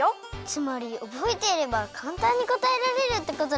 つまりおぼえていればかんたんにこたえられるってことですね。